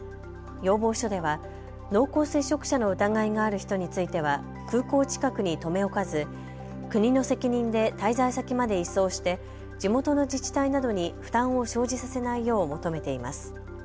要望書では濃厚接触者の疑いがある人については空港近くに留め置かず、国の責任で滞在先まで移送して地元の自治体などに負担を生じさせないよう求めています。